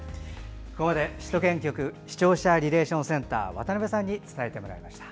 ここまで首都圏局視聴者リレーションセンター渡邉さんに伝えてもらいました。